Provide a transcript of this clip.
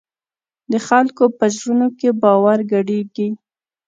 د خلکو په زړونو کې باور ګډېږي.